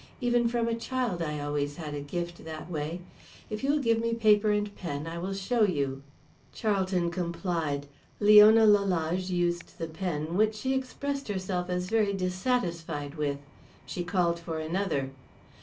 Even from a child I always had a gift that way. If you will give me paper and pen I will show you." Charlton complied. Leona Lalage used the pen, which she expressed herself as very dissatisfied with. She called for another.